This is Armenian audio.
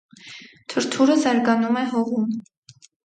Թրթուրը զարգանում է հողում։